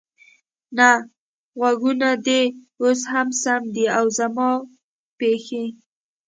نه، غوږونه دې اوس هم سم دي، او زما پښې؟